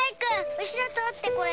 うしろとってこれ。